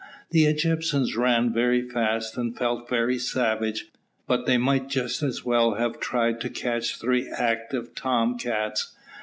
The Egyptians ran very fast and felt very savage, but they might just as well have tried to catch three active tomcats.